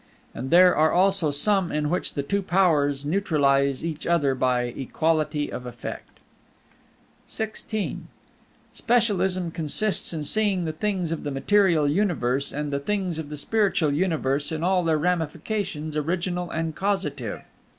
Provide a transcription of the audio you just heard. And there are also some in which the two powers neutralize each other by equality of effect. XVI Specialism consists in seeing the things of the material universe and the things of the spiritual universe in all their ramifications original and causative.